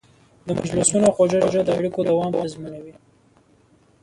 د مجلسونو خوږه ژبه د اړیکو دوام تضمینوي.